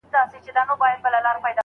د بچو خالي ځالۍ ورته ښکاره سوه